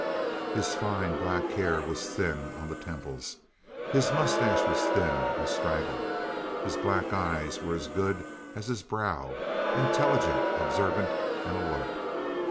His fine, black hair was thin on the temples. His moustache was thin and straggled. His black eyes were as good as his brow, intelligent, observant, and alert.